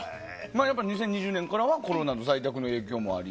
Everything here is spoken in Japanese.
２０２０年からはコロナで在宅の影響もあり。